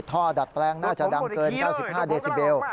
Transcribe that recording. ดัดแปลงน่าจะดังเกิน๙๕เดซิเบล